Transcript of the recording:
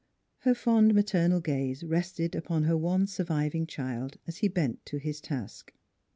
Her fond maternal gaze rested upon her one surviving child as he bent to his task.